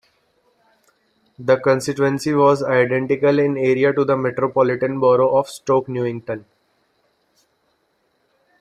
The constituency was identical in area to the Metropolitan Borough of Stoke Newington.